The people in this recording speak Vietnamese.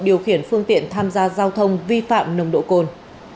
điều khiển phương tiện tham gia giao thông vi phạm nồng độ cồn